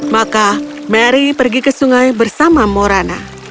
maka mary pergi ke sungai bersama morana